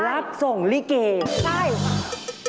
รับส่งฤีเกอ๋อใช่